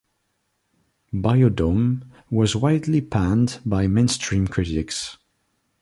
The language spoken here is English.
"Bio-Dome" was widely panned by mainstream critics.